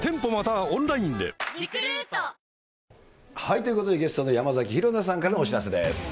ということで、ゲストの山崎紘菜さんからのお知らせです。